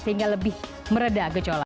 sehingga lebih meredah gejolaknya